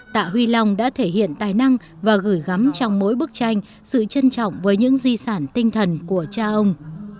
tạ huy long đã thể hiện tài năng và gửi gắm trong mỗi bức tranh sự trân trọng với những di sản tinh thần của cha ông